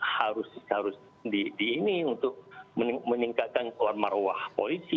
harus di ini untuk meningkatkan keluar marwah polisi